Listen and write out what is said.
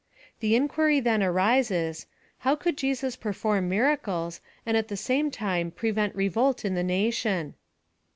The inquiry, then, arises, How could Jesus perform miracles^ and at the same time prevent revolt in the nation